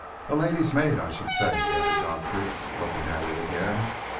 "A lady's maid, I should say," added Godfrey, looking at it again.